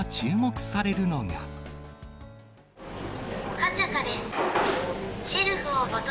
カチャカです。